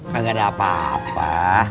gak ada apa apa